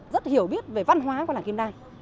rất hiểu biết về văn hóa của làng kim đa